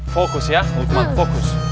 fokus ya lukman fokus